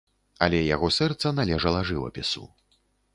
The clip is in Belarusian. Але яго сэрца належала жывапісу.